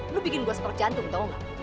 lu bikin gue sepercantum tau nggak